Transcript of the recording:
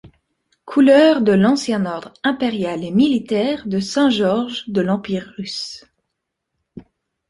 Couleurs de l'ancien Ordre impérial et militaire de Saint-Georges de l'Empire russe.